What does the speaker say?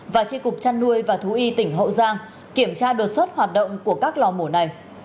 và tri cục trăn nuôi và thú y tỉnh hậu giang kiểm tra đột xuất hoạt động của các lò mổ này